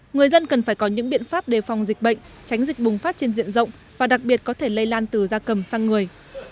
người dân cần phải có những biện pháp đề phòng dịch bệnh tránh dịch bùng phát trên diện rộng và đặc biệt có thể lây lan từ da cầm sang người